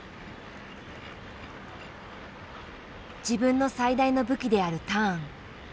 自分の最大の武器であるターン。